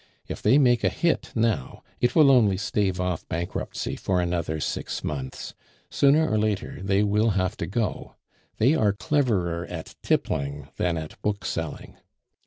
If they make a hit now, it will only stave off bankruptcy for another six months, sooner or later they will have to go. They are cleverer at tippling than at bookselling.